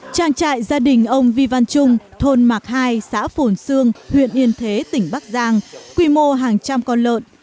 trang trại gia đình ông vi văn trung thôn mạc hai xã phồn sương huyện yên thế tỉnh bắc giang quy mô hàng trăm con lợn